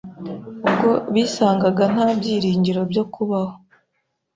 ubwo bisangaga nta byiringiro byo kubaho